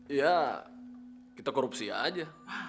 iya kita korupsi aja